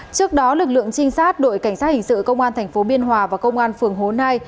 trước đó lực lượng trinh sát đội cảnh sát hình sự công an thành phố biên hòa và công an phường hồ nai